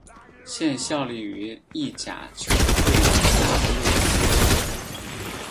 现效力于意甲球会那不勒斯。